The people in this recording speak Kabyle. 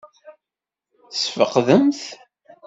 Tesfeqdem-t?